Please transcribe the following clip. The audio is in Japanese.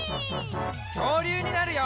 きょうりゅうになるよ！